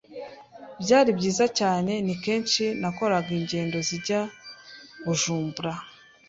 byari byiza cyane ni kenshi nakoraga ingendo zijya Bujumbura